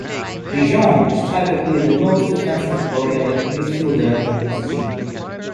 De Jong is typically the most defensively oriented midfielder in his team.